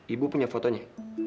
ibu punya fotonya